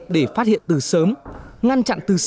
để phát hiện từ sớm ngăn chặn từ xa